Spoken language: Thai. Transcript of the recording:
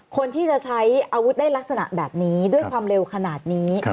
คนที่จะใช้อาวุธได้ลักษณะแบบนี้ด้วยความเร็วขนาดนี้